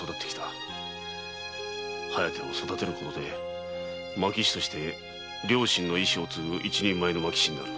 「疾風」を育てることで牧士として両親の遺志を継ぐ一人前の牧士になる。